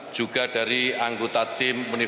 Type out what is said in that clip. jika coindonesia melakukan itu